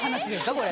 これ。